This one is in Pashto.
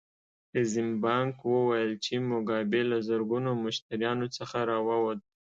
زیمبانک وویل چې موګابي له زرګونو مشتریانو څخه راووت.